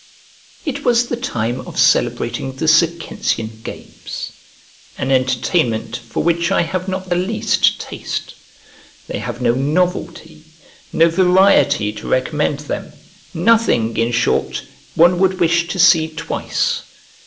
It was the time of celebrating the Circensian games; an entertainment for which I have not the least taste. They have no novelty, no variety to recommend them, nothing, in short, one would wish to see twice.